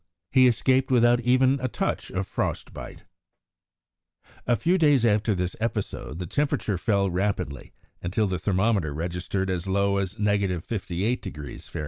He escaped without even a touch of frost bite. A few days after this episode the temperature fell rapidly, until the thermometer registered as low as 58° Fahr.